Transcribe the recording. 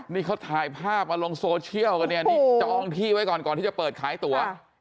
นี่เขาถ่ายภาพมาลงโซเชียลกันเนี่ยนี่จองที่ไว้ก่อนก่อนที่จะเปิดขายตัว